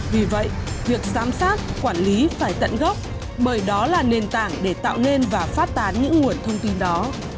vì vậy việc giám sát quản lý phải tận gốc bởi đó là nền tảng để tạo nên và phát tán những nguồn thông tin đó